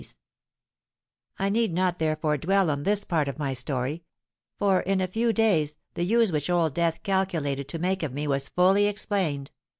"I need not therefore dwell on this part of my story; for in a few days the use which Old Death calculated to make of me was fully explained.